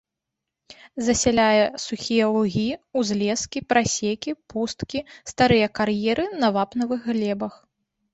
Засяляе сухія лугі, узлескі, прасекі, пусткі, старыя кар'еры на вапнавых глебах.